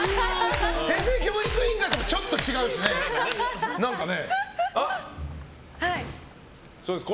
「平成教育委員会」ともちょっと違うしね、何かね。